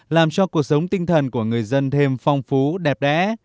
làm cho cuộc sống tinh thần của người dân thêm phong phú đẹp đẽ